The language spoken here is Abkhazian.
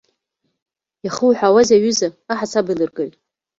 Иахуҳәаауазеи, аҩыза аҳасабеилыргаҩ?